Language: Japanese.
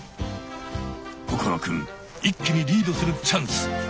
心くん一気にリードするチャンス！